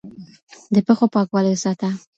د پښو پاکوالی وساته